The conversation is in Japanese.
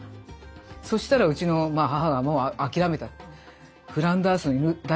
そしたらうちの母がもう諦めたって。